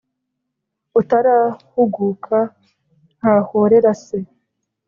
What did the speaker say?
Utarahuguka ntahorera Se